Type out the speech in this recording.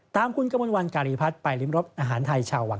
ตามคุณกมลวันการีพัฒน์ไปริมรสอาหารไทยชาววัง